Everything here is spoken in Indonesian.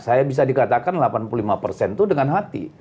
saya bisa dikatakan delapan puluh lima persen itu dengan hati